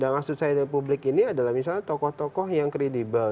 maksud saya republik ini adalah misalnya tokoh tokoh yang kredibel